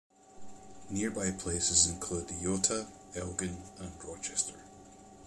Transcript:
Nearby places include Eyota, Elgin, and Rochester.